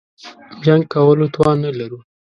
جنګ کولو توان نه لرو.